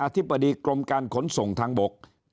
ธิบดีกรมการขนส่งทางบก